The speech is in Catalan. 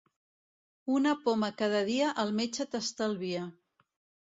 Una poma cada dia el metge t'estalvia.